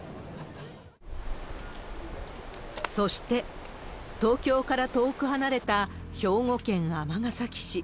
そして、東京から遠く離れた兵庫県尼崎市。